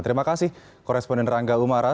terima kasih koresponden rangga umara